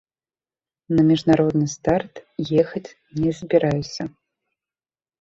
На міжнародны старт ехаць не збіраюся.